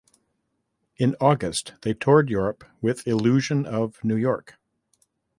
In August they toured Europe with Illusion of New York.